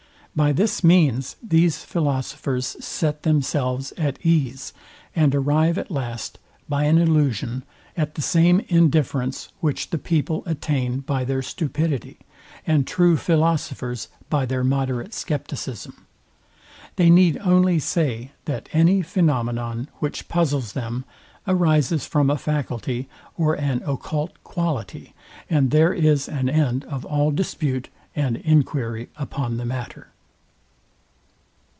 By this means these philosophers set themselves at ease, and arrive at last, by an illusion, at the same indifference, which the people attain by their stupidity, and true philosophers by their moderate scepticism. They need only say, that any phenomenon, which puzzles them, arises from a faculty or an occult quality, and there is an end of all dispute and enquiry upon the matter.